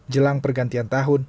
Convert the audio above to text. jelang pergantian tahun